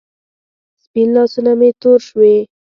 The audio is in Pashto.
سپین لاسونه مې تور شوې